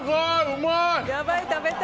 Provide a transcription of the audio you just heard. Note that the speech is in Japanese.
うまい！